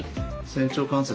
仙腸関節